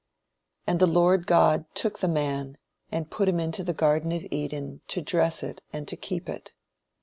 "And the Lord God took the man, and put him into the garden of Eden to dress it and to keep it.